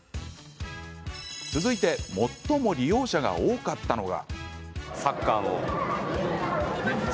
続いて最も利用者が多かったのが。